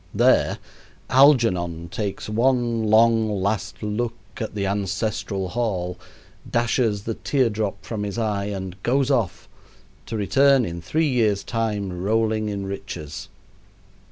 There, Algernon takes one long, last look at the ancestral hall, dashes the tear drop from his eye, and goes off to return in three years' time, rolling in riches.